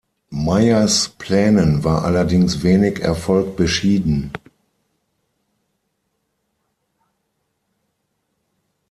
Meyers Plänen war allerdings wenig Erfolg beschieden.